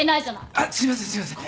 あっすいませんすいません。